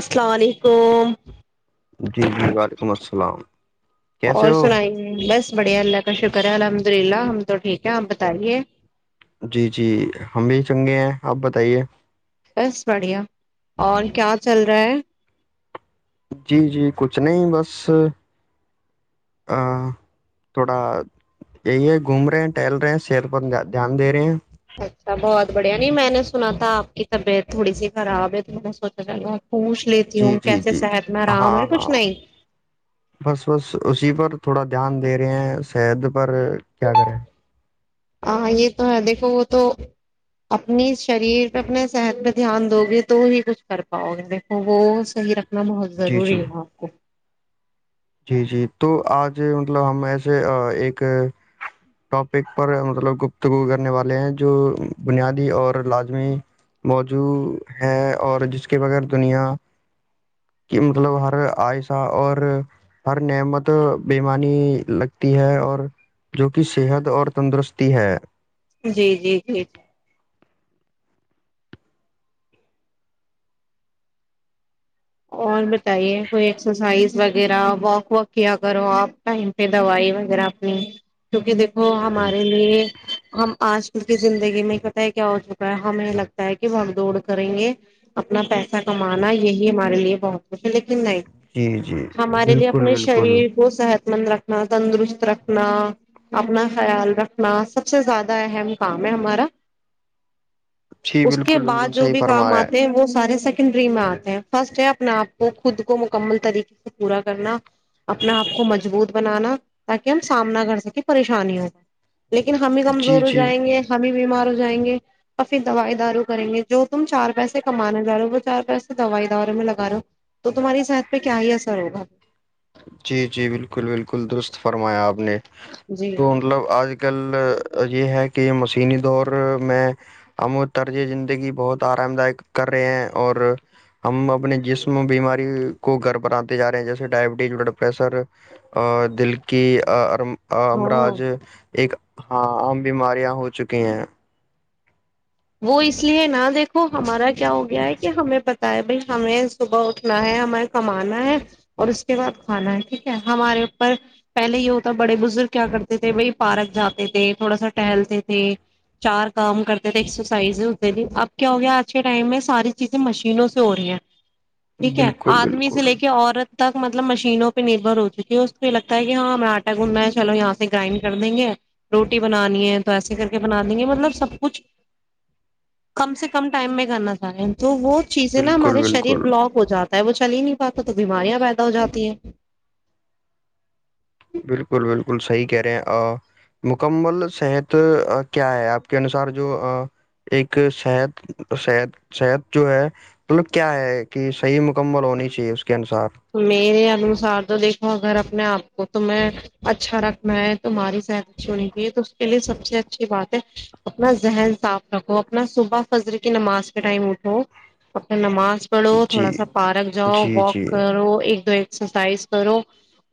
السلام علیکم جی جی وعلیکم السلام کیسے اور ہو سنائی بس بڑھیا اللہ کا شکر کریں الحمد للہ ہم تو ٹھیک ہے آپ بتائیے جی جی ہم بھی چنگے ہیں آپ بتائیے بس بڑھیا اور کیا چل رہا ہے جی جی کچھ نہیں بس تھوڑا یہی ہے گھوم رہے ٹہل رہے ہیں صحت پر دھیان دے رہے ہیں اچھا بہت بڑھیا نہیں میں نے سنا تھا آپ کی طبیعت تھوڑی سی خراب ہے تو میں سوچا ج گا پوچھ لیتی جی ہوں جی کیسے جی صحتنا ہاں رام ہے کچھ ہاں نہیں تو تھوڑا دھیان دے رہے ہیں شہد پر کیا کریں ہاں یہ تو ہے دیکھو وہ تو اپنی شریر پہ اپنے صحت پہ دھیان دو گے تو ہی کچھ کر پاؤ گے دیکھو وہ صحیح رکھ تنا بہت جی جی ضروری ہے آپ کو جی جی تو آج مطلب ہم ایسے ایک ٹاپک پر مطلب گپتگو کرنے والے ہیں جو بنیادی اور لازمی موجو ہے اور جس کے بغیر دنیا کہ مطلب ہر آہستہ اور ہر نعمت بیےمانی لگتی ہے اور جو کہ صحت اور تندرستی ہے جی جی جی جی اور بتائیے کوئی ایکسرسائز وغیرہ واک واک کیا کرو آپ ٹائم پہ دوائی وغیرہ اپنی کیونکہ وہ ہمارے لیے ہم آج کل کی زندگی میں ہی پت ہے کیا ہو چکا ہے ہمیں لگتا ہے کہ وہڑ دوڑ کریں گے اپنا پیسہ اا کمانا یہی لیے بہت لیکن نہیں جی جی ہمارے لیے بالکل اپنے بالکل شریر کو صحت مند رکھنا تندرست رکھنا اپنا خیال رکھنا سب سے زیادہ اہم کام ہے ہمارا جی اس کے بالکل بالکل بعد جو صحیح بھی کام فرمایا ہے آتے ہیں وہ سارے س نڈری میں آتے ہیں فرسٹ ہے اپنا آپ کو خود کو مکمل طریقے سے پورا کرنا اپنا آپ کو مضبوط بنانا تاکہ ہم سامنا کر سکیں پریشانی ہو جائے لیکن ہم بھی جی کمزور ہو جی جائیں گے ہم بھی بیمار ہو جائیں گے اور پھر دوائی دارو کریں گے جو تم چار پیسے کمانا چاہ رہے ہو وہ چار پیسے دوائی دورے میں لگا رہا ہو تو تمہاری صحت پہ کیا ہی اثر ہوگا جی جی بالکل بالکل درست فرمایا آپ نے جی تو مطلب آج کل یہ ہے کہ مشینی دور میں ہم و طرز زندگی بہت آرام دائک کر رہے ہیں اور ہم اپنے جسم بیماری کو گڑبناتے جا رہے ہیں جیسے ڈائب جا پسر اور دل کیرم ہاں ہمراج ایک [unintelligible] ہاں عام بیماریاں ہو چکی ہیں وہ اس لیے نا دیکھو ہمارا کیا ہو گیا ہے کہ ہمیں پت ہے بھائی ہمیں صبح اٹھنا ہے ہمیں کمانا ہے اور اس کے بعد کھانا ہے ٹھیک ہے ہمارے اوپر پہلے یہ ہوتا بڑے بزرگ کیا کرتے تھے بھائی پارک جاتے تھے تھوڑا سا ٹہلتے تھے چار کام کرتے تھے ایک سو سائز اب کیا ہو گیا آج کے ٹائم میں ساری چیزیں مشینوں سے ہو رہی ہیں ٹھیک ہے بالکل آدمی سے بالکل لے کے عورت تک مطلب مشینوں پہ نربھر ہو چک ہے اس کو یہ لگتا ہے کہ ہاں ہمیں آٹا گننا ہے چلو یہاں سے گرائنڈ کر دیں گے روٹی بنانی ہے تو ایسے کر کے بنا دیں گے مطلب سب کچھ کم سے کم ٹائم میں کرنا چاہے ہیں تو وہ چیزیں نا بالکل ہمارے شریر بالکل بلاک ہو جاتا وہ چل ہی نہیں پاتا تو بیماریاں پیدا ہو جاتی ہیں بالکل بالکل بالکل صحیح کہہ رہے ہیں مکمل صحت کیا ہے آپ کے انسار جو ایک صحت صحت صحت جو ہے مطلب کیا ہے کہ صحیح مکمل ہونی چاہیے اس کے انوسار تو میرے انوسار تو دیکو اگر آپ کو تمیں اچھا رکھنا ہے تمہاری صحت اچھی ہونی چاہیے تو اس کے لیے سب سے اچھی بات ہے اپنا ذہن صاف رکھو اپنا صبح فضر کی نماز کے ٹائم اٹھو اپنا نماز پڑو جی تھوڑا سا پارک جاؤ جی واک جی کرو ایک دو ایک ایکسرسائز کرو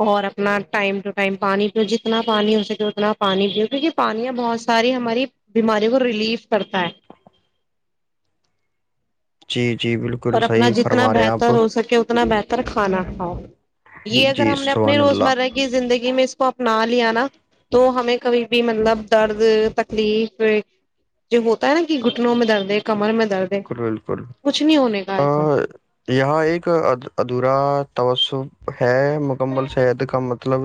اور اپنا ٹائم ٹو ٹائم پانی پیو جتنا پانی ہو سکے اتنا پانی پیو کیونکہ پانیاں بہت ساری ہماری بیماریوں کو ریلیف کرتا ہے جی جی بالکل اور اپنا صحیح جتنا فرما رہے ہیں آپ بہتر ہو سکے اتنا بہتر کھانا کاؤ یہ اگر جی ہم نے اپنے سبحان اللہ روزمرہ کی زندگی میں اس کو اپنا لیا نا تو ہمیں کبھی بھی مطلب درد تکلیف جو ہوتا ہے نا کہ گھٹنوں میں درد ہے کمر میں درد ہے بالکل بالکل کچھ نہیں ہونے کا ا ایسا یہاں ایک ادھورا توس س ہے مکمل صحت کا مطلب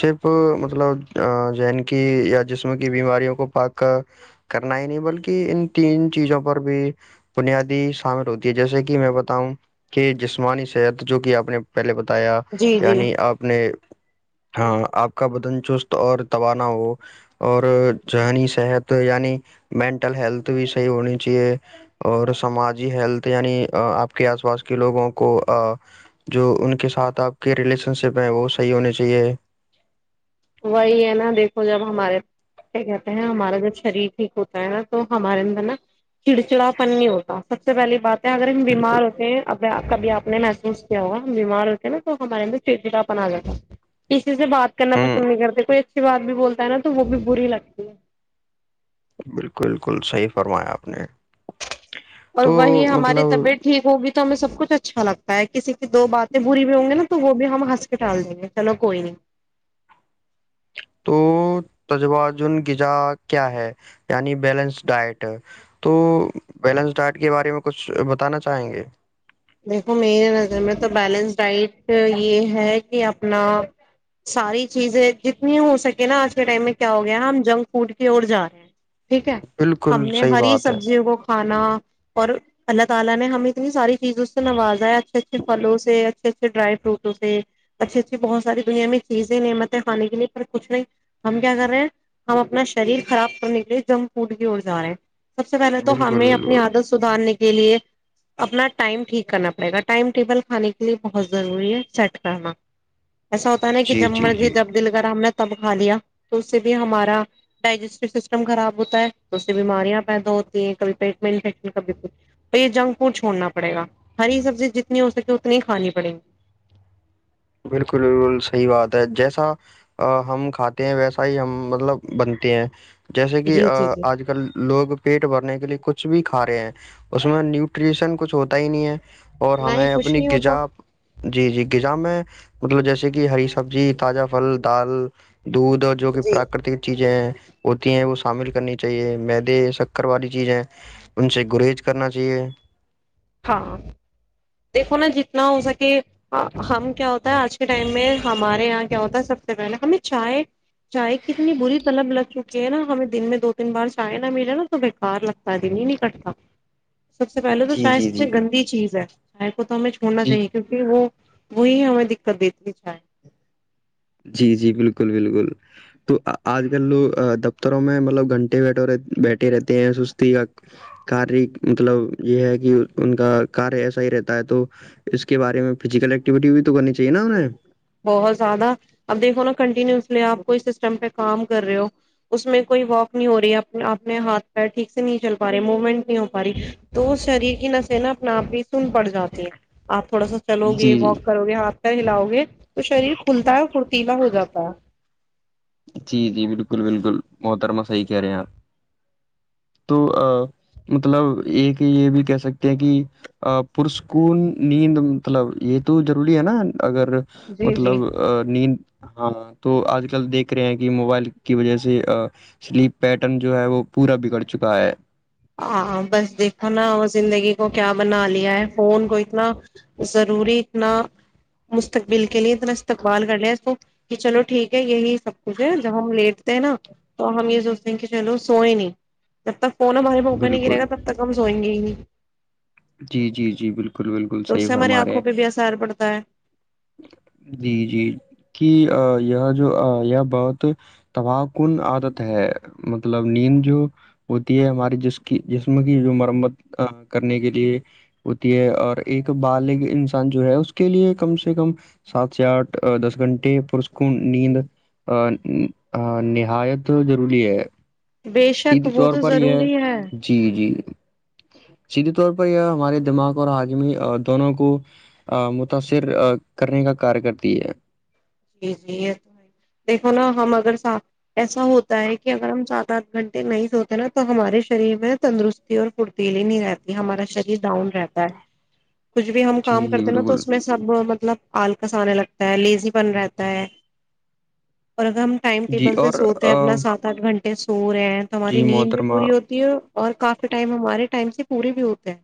صرف مطلب ذہن کی یا جسم کی بیماریوں کو پاک کرنا ہی نہیں بلکہ ان تین چیزوں پر بھی بنیادی شامل ہوتی ہے جیسے کہ میں بتاؤں کہ جسمانی صحت جو کہ آپ نے پہلے بتا بتایا جی جی یعنی آپ نے ہاں آپ کا بدن چست اور توانا ہو اور ذہنی صحت یعنی مینٹل ہیلتھ بھی صحیح ہونی چاہے اور سماجی ہیلتھ یعنی آپ کے آس پاس کے لوگوں کو جو ان کے ساتھ آپ کے ریلیشن شپ ہیں وہ صحیح ہونی چاہیے وہی ہے نا دیکھو جب ہمارے کیا کہتے ہیں ہمارا جب شریر ٹھیک ہوتا ہے نا تو ہمارے اندر نا چڑچڑاپن نہیں ہوتا سب سے پہلی بات اگر ہم بالکل، بیمار ہوتے ہیں کبھی آپ نے محسوس کیا ہوا ہم بیمار ہوتے ہیں نا تو ہمارے اندر چڑچڑاپن آ جاتا سے بات کرنا ہوں پسند نہیں کرتے کوئی اچھی بات بھی بولتا ہے نا تو وہ بھی بری لگتی ہے بالکل بالکل صحیح فرمایا آپ نے اور تو وہی ہماری مطلب طبیعت ٹھیک ہوگی تو ہمیں سب کچھ اچھا لگتا ہے کسی کی دو باتیں بری بھی ہوں گی نا تو وہ بھی ہم ہنس کے ٹال دیں گے چلو کوئی نہیں تو تجن غذا کیا ہے یعنی بیلنس ڈائٹ تو بیلنس ڈائٹ کے بارے میں کچھ بتانا چاہیں گے دیکھو میے نظر میں تو بیلنس ڈائٹ یہ ہے کہ اپنا ساری چیزیں جتنی ہو سکے نا آج کے ٹائم میں کیا ہو گیا ہے ہم جنک فوڈ کی اور جا رہے ہیں ٹھیک ہے ہم بالکل نے صحیح ہری بات ہے سبزیوں کو جی بھائی، بالکل صحیح کہا آپ نے ا سے نوازا ہے اچھے اچھے پھلوں سے اچھے اچھے ڈرائی فروٹوں سے اچھے اچھے بہت ساری دنیا میں چیزیں نعمتیں کھانے کے لیے پر کچھ نہیں ہم کیا کر رہے ہیں ہم اپنا شریر خراب کرنے کے لیے جنک فوڈ کی اور جا رہے ہیں [inaudible] سب سے پہلے تو بالکل ہمیں اپنی بالکل عادت سدھارنے کے لیے اپنا ٹائم ٹھیک کرنا پڑے گا ٹائم ٹیبل کھانے کے لیے بہت ضروری ہے سیٹ کرنا ایسا ہوتا نا کہ جی جب جی مرضی جی جب دل کر ہم نے تب کا لیا تو اس سے بھی ہمارا ڈائجسٹو سسٹم خراب ہوتا ہے تو اس سے بیماریاں پیدا ہوتی ہیں کبھی پیٹ میں انفشن کبھی تو یہ جنک فوڈ چھوڑنا پڑے گا ہری سبزی جتنی ہو سکے اتنی ہی کھانی پڑیں گی بالکل بالکل صحیح بات ہے جیسا ہم کھاتے ہیں ویسا ہی ہم مطلب بنتے ہیں جیسے کہ جی جی جی آج کل لوگ پیٹ بھرنے کے لیے کچھ بھی کھا رہے ہیں اس میں نیوٹریشن کچھ ہوتا ہی نہیں ہے اور نہیں ہمیں کچھ اپنی نہیں ہوتا غذا جی جی غذا میں مطلب جیسے کہ ہری سبزی تازہ پھل دال دودھ اور جو کہ جی پراکرتک چیزیں ہیں ہوتی ہیں وہ شامل کرنی چاہیے میدے شکر والی چیزیں ان سے گریریز کرنا چاہیے ہاں دیکھو نا جتنا ہو سکے ہم کیا ہوتا ہے آج کے ٹائم میں ہمارے یہاں کیا ہوتا ہے سب ہمیں چائے چائے کی اتنی بری طلب لگ چکی ہے نا ہمیں دن میں دو تین بار چائے نہ ملے نا تو بےکار لگتا ہے دن ہی نہیں کٹتا سب سے پہلے تو جی چوائس جی جی گندی چیز ہے آ [inaudible] کو تو ہمیں چھوڑنا جی چاہیے کیکہ وہ [inaudible] وہیں ہمیں دقت دیتینی چاہیں جی جی بالکل بالکل تو آج کل لوگ دفتروں میں مطلب گھنٹے بیھ بیٹھے رہتے ہیں سستی کا ک مطلب یہ ہے کہ ان کا کار ایسا ہی رہتا ہے تو اس کے بارے میں فزیکل ایکٹیویٹی بھی تو کرنی چاہیے نا انہیں بہت زیادہ [inaudible] اب دیکھو نا کنٹینیوسلی آپ کوئی سسٹم پہ کام کر رہے ہو اس میں کوئی واک نہیں ہو رہی ہے اپنے ہاتھ پیر ٹھیک سے نہیں چل پا رہے موومنٹ نہیں ہو پا رہی تو شریر کی نسیں نا اپنے آپ ہی سن پڑ جاتے ہیں آپ تھوڑا سا چلو گے جی واک کرو گے ہاتھ ہ لؤ گے [inaudible] تو شریر کھلتا ہے فھرتیلا ہو جپا [inaudible] جی جی بالکل بالکل محترما صحیح کہہ رہے ہیں آپ تو مطلب ایک یہ بھی کہہ سکتے ہیں کہ پرسکون نیند مطلب یہ تو ضروری ہے نا اگر جی جی مطلب نیند ہاں تو آج کل دیک د رہے ہیں کہ موبائل کی وجہ سے سلیپ پیٹرن جو ہے وہ پورا بگڑ چکا ہے آ بس دیکھو نا اور زندگی کو کیا بنا لیا ہے فون کو اتنا ضروری اتنا مستقبل کے لیے اتنا استقبال کر لیا اس کو کہ چلو ٹھیک ہے یہی سب کچھ ہے جب ہم لیٹتے ہیں نا تو ہم یہ سوچتے ہیں کہ چلو سوئے نہیں جب تک فون ا ہوک نہیں بالکل گرے گا تب تک ہم سو گ [unintelligible] جی جی جی بالکل بالکل صحیح سے ہماری فرمارے آنکھوں ہیں پہ بھی اثر پڑتا ہے جی جی کہ یہ جو یہ بہت تباہ کن عادت ہے مطلب نیند جو ہوتی ہے ہماراری جس کی جسم کی جو مرمت کرنے کے لیے ہوتی ہے اور ایک بالغ انسان جو ہے اس کے لیے کم سے سے کم سات سے آٹھ دس گھنٹے پرس کو نیند ا نہایت ضروری ہے بے شک سیدھے وہ طور تو پر یہ ضروری ہے جی جی سیدھے طور پر یہ ہمارے دماغ اور آجمی دونوں کو متاثر کرنے کا کار کرتی ہے جی جی یہ تو ہے دیکھو نا ہم اگر سات ایسا ہوتا ہے کہ اگر ہم سات آٹھ گھنٹے نہیں سوتے نا تو ہمارے شریر میں تندرستی اور پھرتیلی نہیں رہتی ہمارا شریر ڈاؤن رہتا ہے کچھ بھی ہم جی کام جی کرتے نا تو بالکل اس میں سب مطلب آلکس آنے لگتا ہے لیزی بن رہتا ہے اور اگر ہم ٹائم جی ٹیبل سے اور سوتے آ، ہیں اپنا سات آٹھ گھنٹے سو رہے ہیں تو ہماری جی نیند جو محترمہ پوری ہوتی ہے اور کافی ٹائم ہمارے ٹائم سے پورے بھی ہوتے ہیں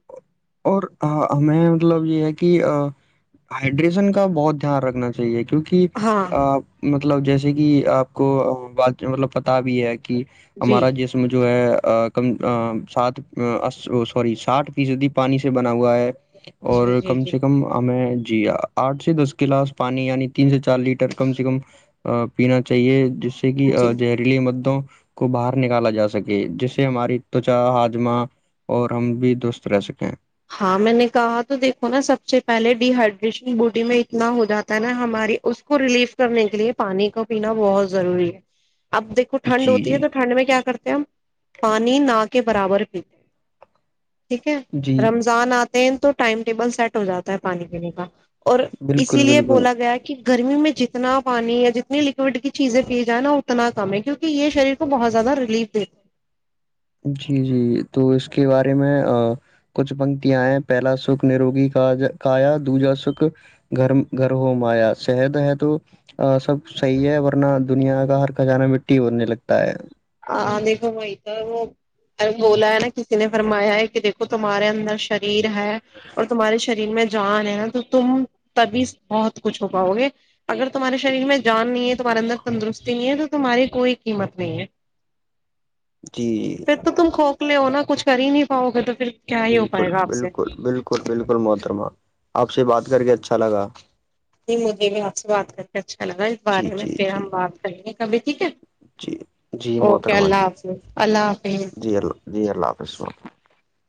اور ہمیں مطلب یہ ہے کہ ہائڈریشن کا بہت دھیان رکھنا چاہیے کہ کیونکہ ہاں مطلب جیسے ج کہ آپ کو بات مطلب پتا بھی ہے کہ کہ جی ہمارا جسم جو ہے کم سات سی ساٹ فیصدی پانی سے بنا ہوا ہے جی اور جی کم جی سے کم ہمیں جی آٹھ سے دس گلاس پانی یعنی تین سے چار لیٹر کم سے کم پینا چاہیے ج جیسے کہ جی زہریلی مدوں کو باہر نکالا جا سکے جس سے ہماری تچا ہاجمہ اور ہم بھی درست رہ سکے ہاں میں نے کہا تو دیکھو نا سب سے پہلے ڈی ہائڈریشن بوڈی میں اتنا ہو جاتا ہے نا ہماری اس کو ریلیف کرنے کے لیے پانی کا پینا بہت ضروری ہے اب دیکو ٹھنڈ جی ہوتی ہے تو ٹھنڈ میں کیا کرتا پانی نہ کے برابر پیتے ہیں ٹھیک ہے جی جی رمضان آ بالکل بالکل [unintelligible] [unintelligible] [unintelligible] [unintelligible] [unintelligible] [unintelligible] [unintelligible] جی جی [unintelligible] [unintelligible] ہی ہو پائے گا آپ سے [unintelligible] [unintelligible] [unintelligible] جی [unintelligible] جی جی [unintelligible] اوکے اللہ حافظ اللہ حافظ [unintelligible]